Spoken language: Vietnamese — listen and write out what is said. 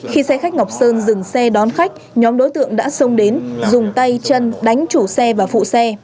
khi xe khách ngọc sơn dừng xe đón khách nhóm đối tượng đã xông đến dùng tay chân đánh chủ xe và phụ xe